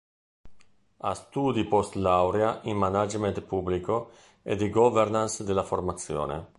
Ha studi post laurea in management pubblico e di governance della formazione.